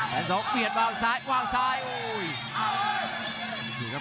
แสนสองเปลี่ยนวางซ้ายวางซ้ายโอ้โห